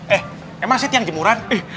eh emang set yang jemuran